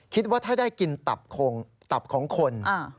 คิดว่าถ้าได้กินตับของคน